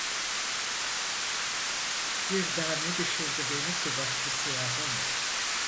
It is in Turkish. Bir dame düşürdü beni ki bahtı siyahım…